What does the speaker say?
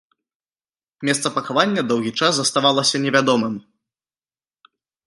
Месца пахавання доўгі час заставалася невядомым.